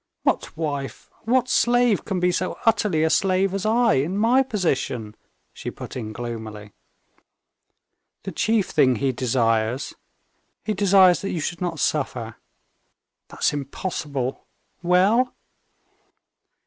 "What wife, what slave can be so utterly a slave as I, in my position?" she put in gloomily. "The chief thing he desires ... he desires that you should not suffer." "That's impossible. Well?"